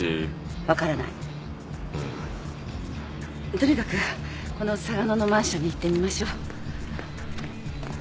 とにかくこの嵯峨野のマンションに行ってみましょう。